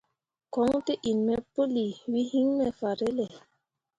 Koɲ tǝ iŋ me pǝlii, we hyi me fahrelle.